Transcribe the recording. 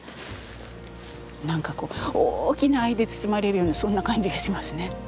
何かこう大きな愛で包まれるようなそんな感じがしますね。